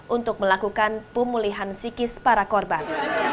untuk melakukan pemulihan psikis para korban